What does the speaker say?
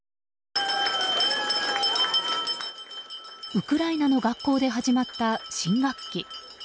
ウクライナの学校で始まった新学期。